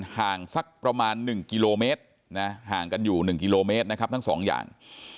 ห่างสักประมาณ๑กิโลเมตรห่างกันอยู่๑กิโลเมตรนะครับทั้งสองอย่าง